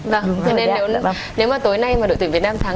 vâng thế nên nếu mà tối nay mà đội tuyển việt nam thắng